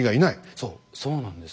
そうそうなんです。